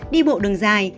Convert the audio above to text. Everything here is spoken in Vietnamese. đi bộ đường dài